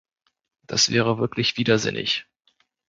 Das wäre wirklich widersinnig!